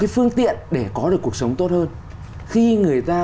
phương tiện để có được cuộc sống tốt hơn